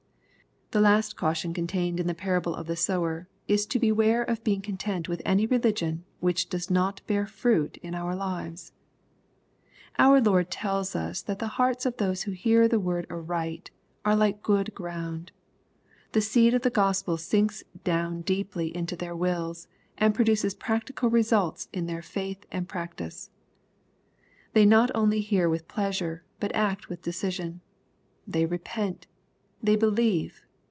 The last caution contained in the parable of the sower, is to beware of being content with any religion which does not bear fruit in our lives. Our Lord tells us that the hearts of those who hear the word aright, are like good ground. The seed of the Gospel sinks down deeply into their wills, and produces practical results in their faith and practice. They not only hear with pleasure, but act with decision. They repent. They believe.